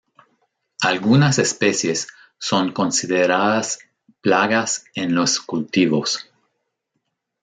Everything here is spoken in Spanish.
Algunas especies son consideradas plagas en los cultivos.